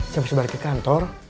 saya bisa balik ke kantor